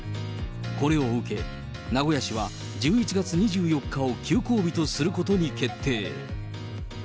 これを受け、名古屋市は１１月２４日を休校日とすることに決定。